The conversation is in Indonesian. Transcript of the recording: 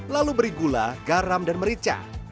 lalu beri gula garam dan merica